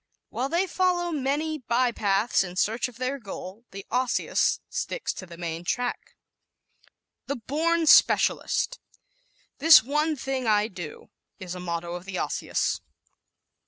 While they follow many by paths in search of their goal the Osseous sticks to the main track. The Born Specialist ¶ "This one thing I do," is a motto of the Osseous.